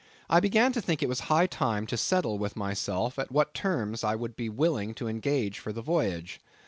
I began to think it was high time to settle with myself at what terms I would be willing to engage for the voyage.